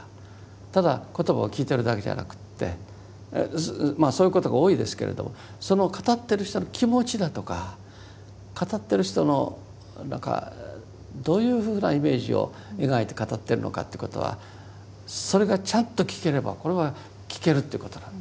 ただ言葉を聞いてるだけじゃなくってまあそういうことが多いですけれどもその語ってる人の気持ちだとか語ってる人の何かどういうふうなイメージを描いて語ってるのかということはそれがちゃんと聞ければこれは聞けるということだと。